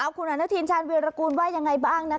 อ้าวคุณอาณาทีนชาญเวียร์รกูลว่ายังไงบ้างนะคะ